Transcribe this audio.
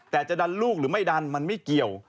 แต่จะดันลูกหรือไม่ดันมันไม่เกี่ยว